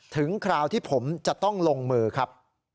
คราวที่ผมจะต้องลงมือครับ